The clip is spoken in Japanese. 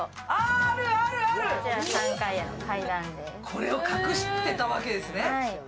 これを隠していたわけですね。